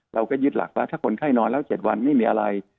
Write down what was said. เราก็ยึดหลักว่าถ้าคนไข้นอนแล้ว๗วันไม่มีอะไร